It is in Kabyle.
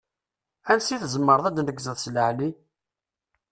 Ansi tzemreḍ ad d-tneggzeḍ seg leεli?